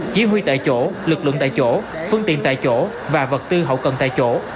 chỉ huy tại chỗ lực lượng tại chỗ phương tiện tại chỗ và vật tư hậu cần tại chỗ